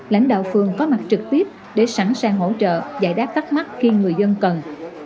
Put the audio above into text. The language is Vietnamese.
lãnh đạo phường có mặt trực tiếp để sẵn sàng hỗ trợ giải đáp thắc mắc khi người dân cần